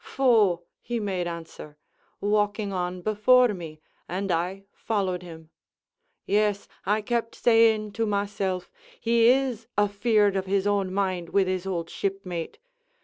'Pho,' he made answer, walking on before me, and I followed him. "'Yes,' I kept saying to myself, 'he is afeard of his own mind with his old shipmate.'